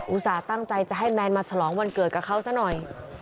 ตั้งใจจะให้แมนมาฉลองวันเกิดกับเขาซะหน่อย